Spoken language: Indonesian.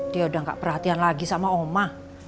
dia udah enggak perhatian lagi sama oma